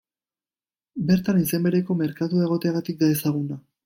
Bertan izen bereko merkatua egoteagatik da ezaguna.